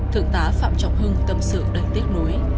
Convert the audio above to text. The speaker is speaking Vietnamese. thượng tá phạm trọng hưng tâm sự đầy tiếc núi